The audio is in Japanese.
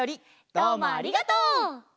どうもありがとう！